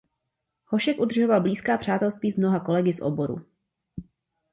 Hošek udržoval blízká přátelství s mnoha kolegy z oboru.